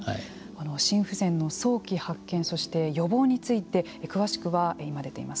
心不全の早期発見そして予防について詳しくは、今出ています